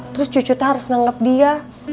terus cucu teh harus nanggep dia